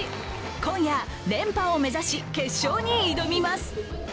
今夜、連覇を目指し決勝に挑みます。